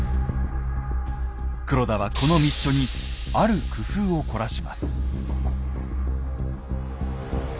黒田はこの密書にある工夫を凝らします。